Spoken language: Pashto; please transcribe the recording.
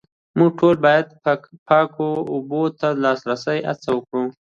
موږ ټول باید پاکو اوبو ته د لاسرسي هڅه وکړو